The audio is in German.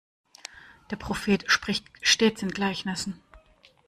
Der Prophet spricht stets in Gleichnissen.